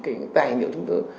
chính những cái tài liệu chúng tôi